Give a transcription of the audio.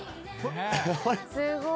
⁉すごい。